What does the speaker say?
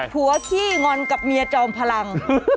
ขี้งอนกับเมียจอมพลัง